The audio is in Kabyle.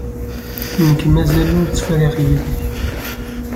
Nekk mazal ur tt-friɣ yid-k.